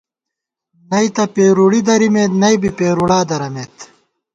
نئ تہ پېرُوڑی دَرِمېت ، نئ بی پېرُوڑا دَرَمېت